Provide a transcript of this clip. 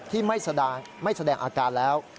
ที่ไม่แสดงอาการแล้ว